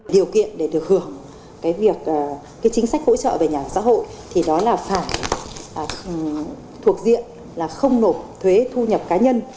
điều kiện để được hưởng chính sách hỗ trợ về nhà ở xã hội thì đó là phải thuộc diện là không nộp thuế thu nhập cá nhân